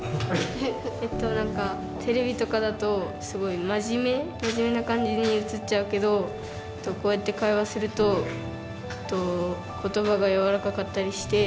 テレビとかだとすごい真面目な感じに映っちゃうけどこうやって会話すると言葉が柔らかかったりして。